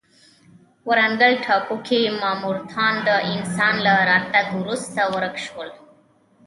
ورانګل ټاپو کې ماموتان د انسان له راتګ وروسته ورک شول.